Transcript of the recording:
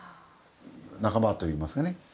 仲間といいますかね。